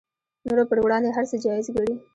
نورو پر وړاندې هر څه جایز ګڼي